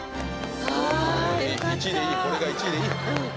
これが１位でいい。